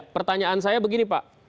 pertanyaan saya begini pak